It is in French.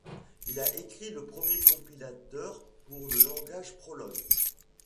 Il a écrit le premier compilateur pour le langage Prolog.